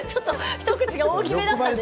一口が大きめでしたね。